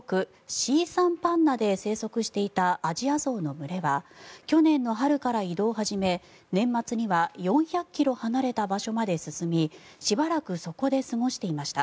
シーサンパンナで生息していたアジアゾウの群れは去年の春から移動を始め年末には４００ｋｍ離れた場所まで進みしばらくそこで過ごしていました。